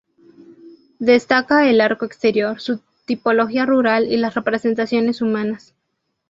Destaca el arco exterior, su tipología rural y las representaciones humanas.